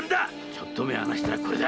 ちょっと目を離したらこれか！